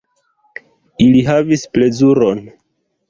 Ili havis plezuron.